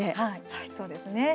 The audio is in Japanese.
はい、そうですね。